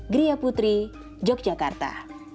griya putri yogyakarta